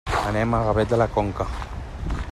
Anem a Gavet de la Conca.